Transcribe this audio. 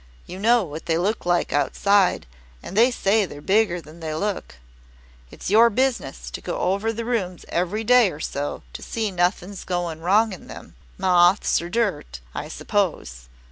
You know what they look like outside, and they say they're bigger than they look. It's your business to go over the rooms every day or so to see nothing's going wrong in them moths or dirt, I suppose.